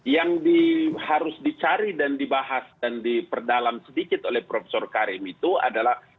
yang harus dicari dan dibahas dan diperdalam sedikit oleh prof karim itu adalah